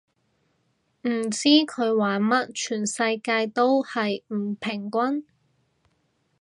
唔知佢玩乜，全世界都係唔平均